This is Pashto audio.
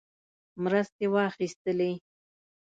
مرستې واخیستلې.